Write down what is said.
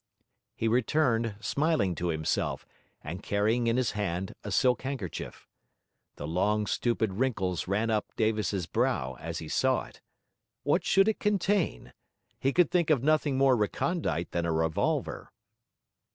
He returned, smiling to himself, and carrying in his hand a silk handkerchief. The long stupid wrinkles ran up Davis's brow, as he saw it. What should it contain? He could think of nothing more recondite than a revolver.